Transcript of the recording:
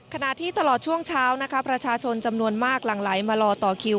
ขณะที่ตลอดช่วงเช้านะคะประชาชนจำนวนมากหลังไหลมารอต่อคิว